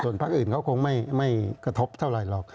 พักอื่นเขาคงไม่กระทบเท่าไหร่หรอก